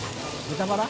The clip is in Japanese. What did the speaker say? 豚バラ？